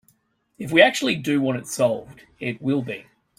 If we actually do want it solved, it will be.